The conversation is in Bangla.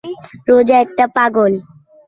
বনু কায়নুকা এবং বনু নযীরের পরিণতির কথা ভুলে গেছ?